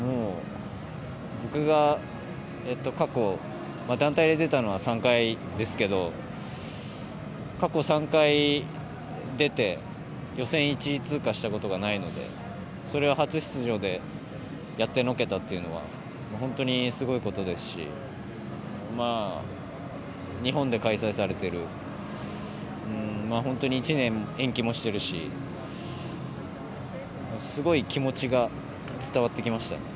僕が過去団体で出たのは３回ですけど過去３回出て予選１位通過したことがないのでそれを初出場でやってのけたというのは本当にすごいことですし日本で開催されている本当に１年延期もしているしすごい気持ちが伝わってきました。